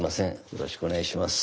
よろしくお願いします。